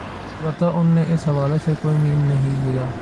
البتہ ان نے اس حوالہ سے کوئی م نہیں لیا